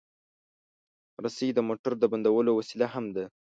رسۍ د موټر د بندولو وسیله هم ده.